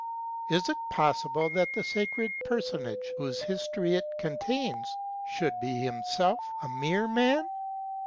Is it possible that the sacred personage, whose history it contains, should be himself a mere man